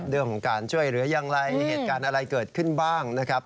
เรื่องของการช่วยเหลืออย่างไรเหตุการณ์อะไรเกิดขึ้นบ้างนะครับ